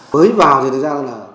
với vào thì thực ra là